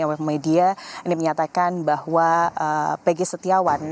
awak media ini menyatakan bahwa peggy setiawan